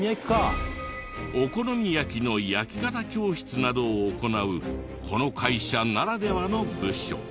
お好み焼きの焼き方教室などを行うこの会社ならではの部署。